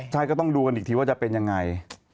ใช่ก็ต้องดูกันอีกทีว่าจะเป็นยังไง